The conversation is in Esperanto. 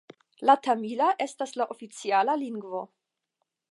La tamila estas la oficiala lingvo.